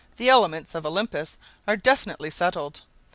"The elements of Olympus are definitively settled.